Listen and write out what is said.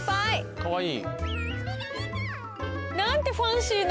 かわいい！